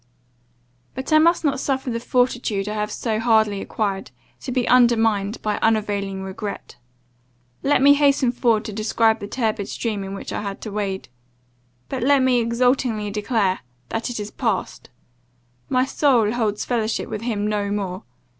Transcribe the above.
"But I must not suffer the fortitude I have so hardly acquired, to be undermined by unavailing regret. Let me hasten forward to describe the turbid stream in which I had to wade but let me exultingly declare that it is passed my soul holds fellowship with him no more.